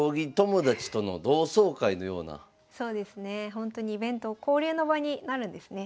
ほんとにイベント交流の場になるんですね。